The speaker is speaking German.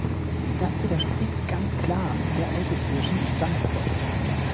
Das widerspricht ganz und klar der europäischen Zusammenarbeit.